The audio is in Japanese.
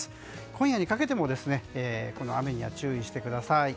今夜にかけてもこの雨には注意してください。